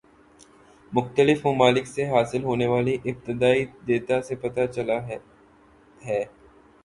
مختلف ممالک سے حاصل ہونے والے ابتدائی دیتا سے پتہ چلتا ہے